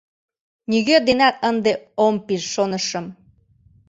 Нигӧ денат ынде ом пиж шонышым...